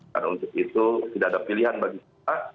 dan untuk itu tidak ada pilihan bagi kita